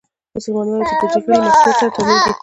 مسلمانان وايي چې دا جګړې له مسیحیت سره تړلې دي.